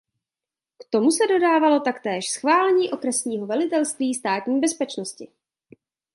K tomu se dodávalo taktéž schválení okresního velitelství Státní bezpečnosti.